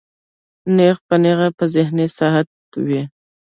نېغ پۀ نېغه پۀ ذهني صحت وي